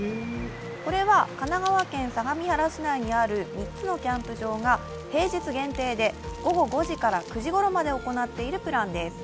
これは神奈川県相模原市内にある３つのキャンプ場が平日限定で午後５時から９時ごろまで行っているプランです。